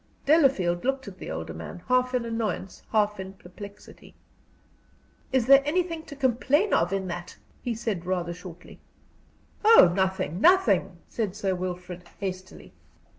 Delafield looked at the older man, half in annoyance, half in perplexity. "Is there anything to complain of in that?" he said, rather shortly. "Oh, nothing, nothing!" said Sir Wilfrid, hastily.